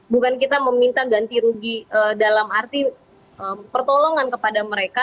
bukan kita meminta ganti rugi dalam arti pertolongan kepada mereka